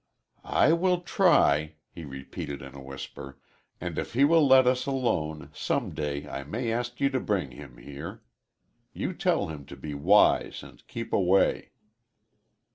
"I will try," he repeated, in a whisper, "and, if he will let us alone, some day I may ask you to bring him here. You tell him to be wise and keep away."